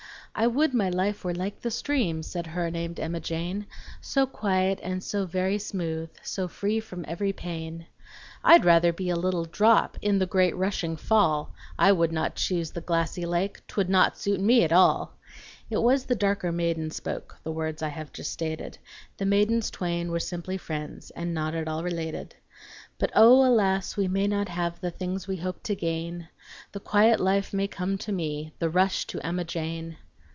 "I would my life were like the stream," Said her named Emma Jane, "So quiet and so very smooth, So free from every pain." "I'd rather be a little drop In the great rushing fall! I would not choose the glassy lake, 'T would not suit me at all!" (It was the darker maiden spoke The words I just have stated, The maidens twain were simply friends And not at all related.) But O! alas I we may not have The things we hope to gain; The quiet life may come to me, The rush to Emma Jane!